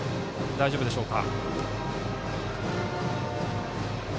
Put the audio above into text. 大丈夫でしょうか。